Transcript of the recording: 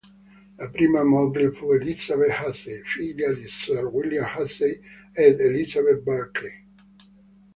La prima moglie fu Elizabeth Hussey, figlia di Sir William Hussey ed Elizabeth Berkeley.